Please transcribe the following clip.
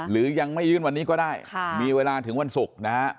หรือยังไม่ยื่นวันนี้ก็ได้มีเวลาถึงวันศุกร์นะฮะ